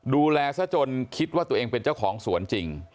ดูแลซะจนคิดว่าตัวเองเป็นเจ้าของสวนจริง